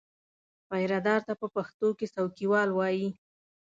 پیرهدار ته په پښتو کې څوکیوال وایي.